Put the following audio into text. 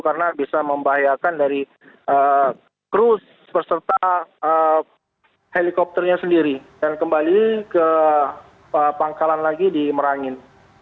karena bisa membahayakan dari kru berserta helikopternya sendiri dan kembali ke pangkalan lagi di merangin